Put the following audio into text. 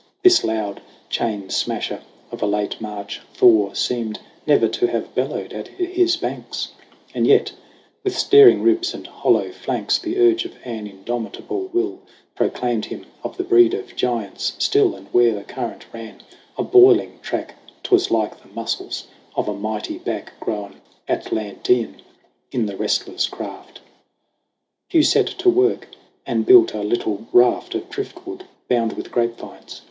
This loud Chain Smasher of a late March thaw Seemed never to have bellowed at his banks ; And yet, with staring ribs and hollow flanks, The urge of an indomitable will Proclaimed him of the breed of giants still ; And where the current ran a boiling track, 'Twas like the muscles of a mighty back Grown Atlantean in the wrestler's craft. Hugh set to work and built a little raft Of driftwood bound with grapevines.